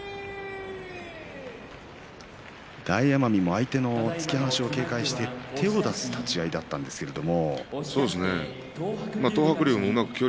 大奄美も相手の突き放しを警戒して手を出す立ち合いだったんですけども。